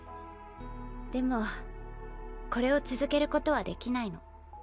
でもこれを続けることはできないの。